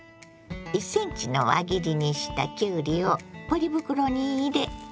１ｃｍの輪切りにしたきゅうりをポリ袋に入れ